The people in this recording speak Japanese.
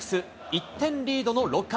１点リードの６回。